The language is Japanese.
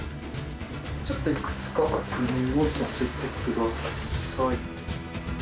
ちょっといくつか確認をさせてください。